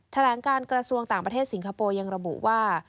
แถลงการกระทรวงต่างประเทศสิงคโปร์ยังระบุว่า